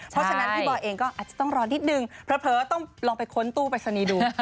ตัวเองก็อาจจะต้องรอนิดหนึ่งเผลอว่าต้องลองไปค้นตู้ไปสนีดู